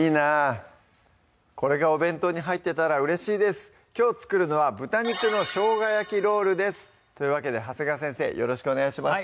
これがお弁当に入ってたらうれしいですきょう作るのは「豚肉の生姜焼きロール」ですというわけで長谷川先生よろしくお願いします